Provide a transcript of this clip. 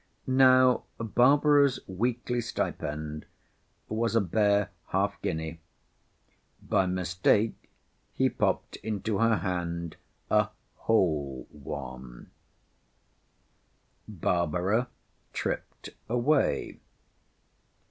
Now Barbara's weekly stipend was a bare half guinea.—By mistake he popped into her hand a—whole one. Barbara tripped away.